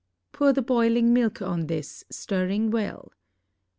Pour the boiling milk on this, stirring well.